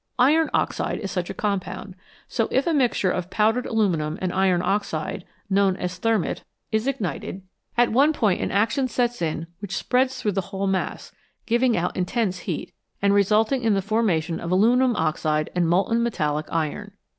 Iron oxide is such a compound, so if a mixture of powdered aluminium and iron oxide, known as " thermit," is ignited at one point an action sets in which spreads through the whole mass, giving out intense heat, and resulting in the formation of aluminium oxide and molten metallic iron.